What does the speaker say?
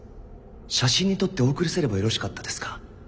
写真に撮ってお送りすればよろしかったですか？